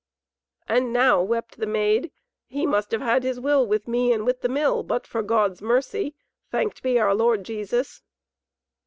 "And now," wept the Maid, "he must have had his will with me and with the Mill, but for God's mercy, thanked be our Lord Jesus!"